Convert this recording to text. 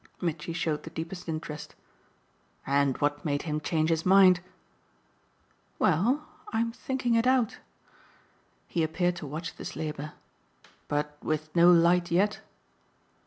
Mitchy showed the deepest interest. "And what made him change his mind?" "Well, I'm thinking it out." He appeared to watch this labour. "But with no light yet?"